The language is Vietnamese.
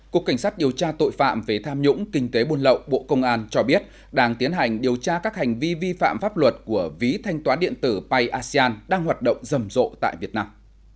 cục cảnh sát điều tra tội phạm về tham nhũng kinh tế buôn lậu bộ công an cho biết đang tiến hành điều tra các hành vi vi phạm pháp luật của ví thanh toán điện tử payasian đang hoạt động rầm rộ tại việt nam